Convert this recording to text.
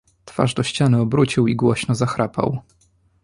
Twarz do ściany obrócił i głośno zachrapał.